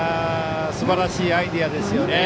すばらしいアイデアですね。